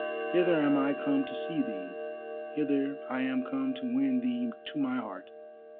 Hither am I come to see thee, hither I am come to win thee to my heart.